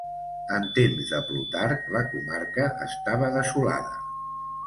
En temps de Plutarc la comarca estava desolada.